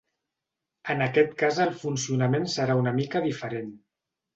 En aquest cas el funcionament serà una mica diferent.